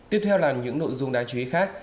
tiếp theo là những nội dung đáng chú ý khác